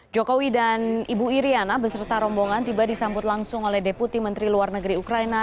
jokowi dan ibu iryana beserta rombongan tiba disambut langsung oleh deputi menteri luar negeri ukraina